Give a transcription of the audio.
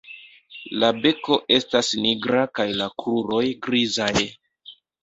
La beko estas nigra kaj la kruroj grizaj.